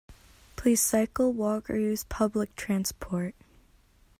Please cycle, walk, or use public transport